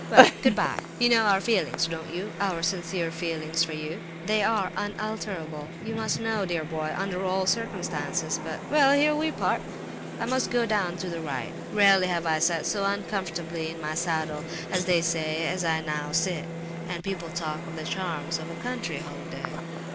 Well—good bye! You know our feelings, don't you—our sincere feelings for yourself? They are unalterable, you know, dear boy, under all circumstances, but—Well, here we part; I must go down to the right. Rarely have I sat so uncomfortably in my saddle, as they say, as I now sit. And people talk of the charms of a country holiday!"